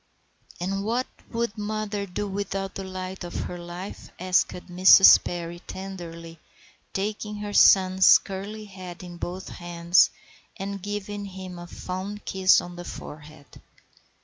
"And what would mother do without the light of her life?" asked Mrs. Perry tenderly, taking her son's curly head in both her hands and giving him a fond kiss on the forehead.